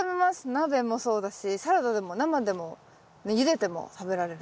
鍋もそうだしサラダでも生でもゆでても食べられるから。